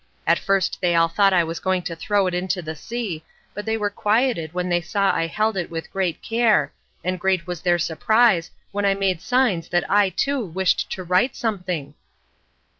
At first they all thought I was going to throw it into the sea, but they were quieted when they saw I held it with great care, and great was their surprise when I made signs that I too wished to write something.